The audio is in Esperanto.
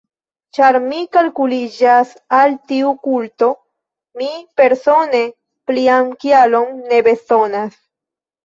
Ĉar mi kalkuliĝas al tiu kulto, mi persone plian kialon ne bezonas.